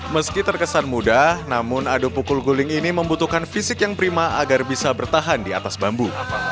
meski terkesan mudah namun adu pukul guling ini membutuhkan fisik yang prima agar bisa bertahan di atas bambu